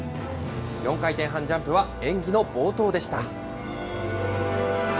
４回転半ジャンプは演技の冒頭でした。